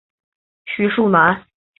徐树楠。